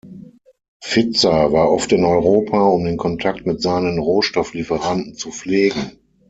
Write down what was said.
Pfizer war oft in Europa, um den Kontakt mit seinen Rohstofflieferanten zu pflegen.